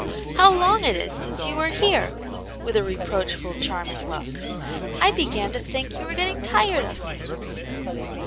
" How long it is since you were here!" with a re proachful, charming look. " I began to think you were getting tired of me!"